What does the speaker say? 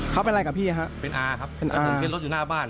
เขาเป็นอะไรกับพี่ฮะเป็นอาครับเป็นอาแล้วถึงเคล็ดรถอยู่หน้าบ้าน